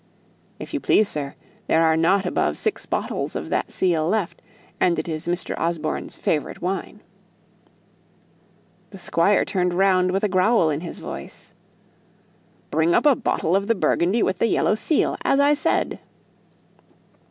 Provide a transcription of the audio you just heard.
"If you please, sir, there are not above six bottles of that seal left; and it is Mr. Osborne's favourite wine." The Squire turned round with a growl in his voice. "Bring up a bottle of the Burgundy with the yellow seal, as I said."